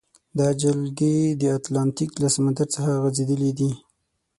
دا جلګې د اتلانتیک له سمندر څخه غزیدلې دي.